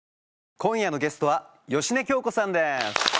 今夜のゲストは芳根京子さんです。